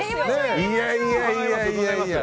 いやいや。